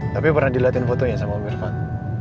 tapi pernah dilihatin fotonya sama pak irfan